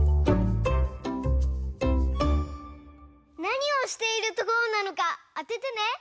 なにをしているところなのかあててね。